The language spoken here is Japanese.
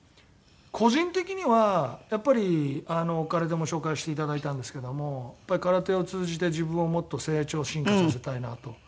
個人的にはやっぱり空手も紹介していただいたんですけども空手を通じて自分をもっと成長進化させたいなと。